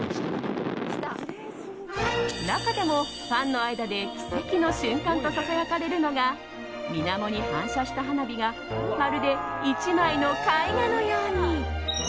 中でもファンの間で奇跡の瞬間とささやかれるのが水面に反射した花火がまるで１枚の絵画のように。